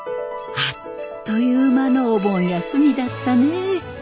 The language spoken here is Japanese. あっという間のお盆休みだったねえ。